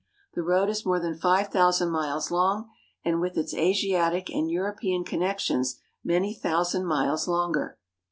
The road is more than five thousand miles long, and with its Asiatic and European connections many thousand miles longer.